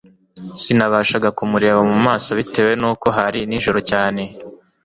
sinabashaga kumureba mumaso bitewe nuko hari ninjoro cyane